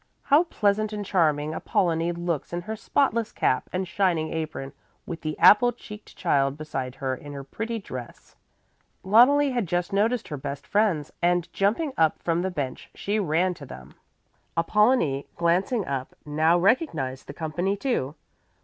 How pleasant and charming Apollonie looks in her spotless cap and shining apron with the apple cheeked child beside her in her pretty dress!" Loneli had just noticed her best friends and, jumping up from the bench, she ran to them. Apollonie, glancing up, now recognized the company, too.